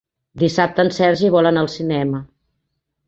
Dissabte en Sergi vol anar al cinema.